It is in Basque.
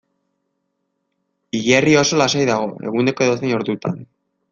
Hilerria oso lasai dago eguneko edozein ordutan.